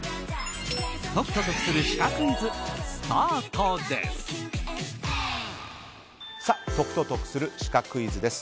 解くと得するシカクイズスタートです。